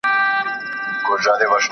¬ مسکين ته د کلا د سپو سلا يوه ده.